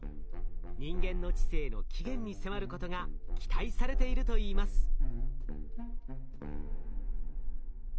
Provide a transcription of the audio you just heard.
人間の知性の起源に迫ることが期待されているといいます。